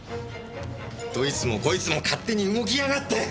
どいつもこいつも勝手に動きやがって！